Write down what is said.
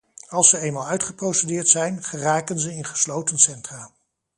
Als ze eenmaal uitgeprocedeerd zijn, geraken ze in gesloten centra.